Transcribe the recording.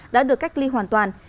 đã được cách ly hoàn toàn